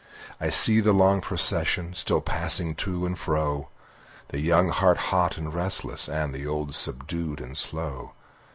I see the long procession Still passing to and fro, The young heart hot and restless, And the old subdued and slow!